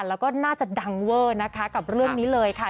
แล้วก็น่าจะดังเวอร์นะคะกับเรื่องนี้เลยค่ะ